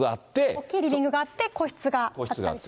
大きいリビングがあって、個室があったりします。